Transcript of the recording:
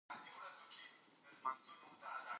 دځنګل حاصلات د افغانانو د معیشت سرچینه ده.